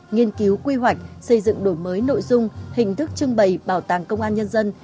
nghiên cứu quy hoạch xây dựng đổi mới nội dung hình thức trưng bày bảo tàng công an nhân dân